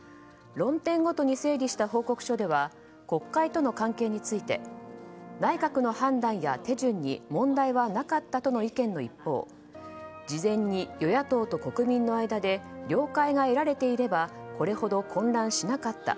論点ごとに整理した報告書では国会との関係について内閣の判断や手順に問題はなかったとの意見の一方事前に与野党と国民の間で了解が得られていればこれほど混乱しなかった。